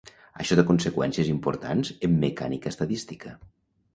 Això té conseqüències importants en mecànica estadística.